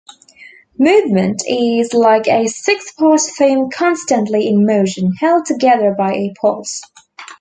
"Movement" is "like a six-part theme constantly in motion, held together by a pulse.